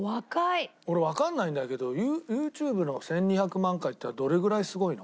俺わかんないんだけどＹｏｕＴｕｂｅの１２００万回ってどれぐらいすごいの？